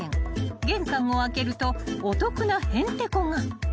玄関を開けるとお得なヘンテコが］